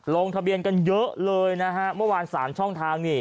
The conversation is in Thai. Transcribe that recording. ลงทะเบียนกันเยอะเลยนะฮะเมื่อวาน๓ช่องทางนี่